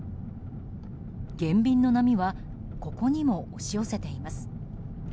減便の波はここにも押し寄せています。